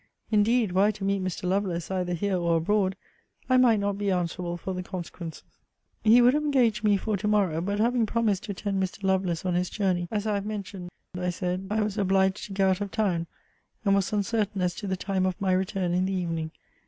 Indeed, were I to meet Mr. Lovelace, either here or abroad, I might not be answerable for the consequence.' He would have engaged me for to morrow. But having promised to attend Mr. Lovelace on his journey, as I have mentioned, I said, I was obliged to go out of town, and was uncertain as to the time of my return in the evening.